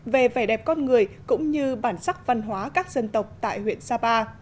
về vẻ đẹp con người cũng như bản sắc văn hóa các dân tộc tại huyện sapa